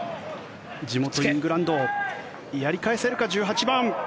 地元イングランドやり返せるか１８番。